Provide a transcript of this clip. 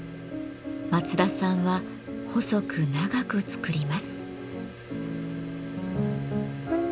松田さんは細く長く作ります。